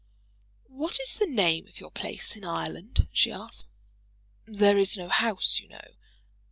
"What is the name of your place in Ireland?" she asked. "There is no house, you know."